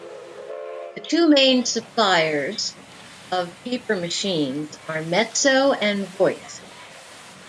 The two main suppliers of paper machines are Metso and Voith.